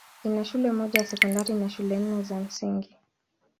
Ina shule moja ya sekondari na shule nne za msingi.